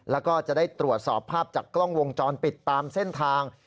แล้วก็จะได้ตรวจสอบภาพจากกล้องวงจรปิดตามเส้นทาง